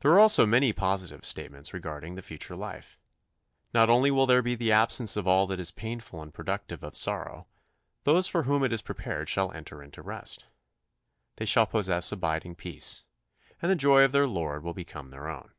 There are also many positive statements regarding the future life. Not only will there be the absence of all that is painful and productive of sorrow; those for whom it is prepared shall enter into rest. They shall possess abiding peace, and the joy of their Lord will become their own.